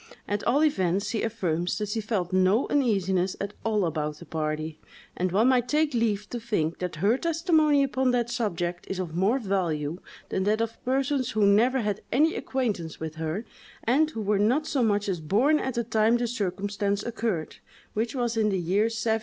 At all events, she affirms that she felt no uneasiness at all about the party, and one might take leave to think that her testimony upon that subject is of more value than that of persons who never had any acquaintance with her, and who were not so much as born at the time the circumstance occurred, which was in the year 1731.